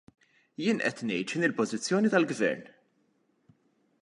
Jien qed ngħid x'inhi l-pożizzjoni tal-gvern.